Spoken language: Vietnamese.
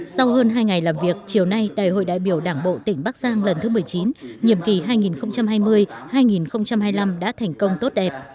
sau hơn hai ngày làm việc chiều nay đại hội đại biểu đảng bộ tỉnh bắc giang lần thứ một mươi chín nhiệm kỳ hai nghìn hai mươi hai nghìn hai mươi năm đã thành công tốt đẹp